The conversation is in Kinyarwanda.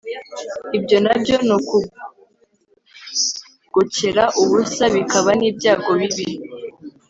ibyo na byo ni ukugokera ubusa, bikaba n'ibyago bibi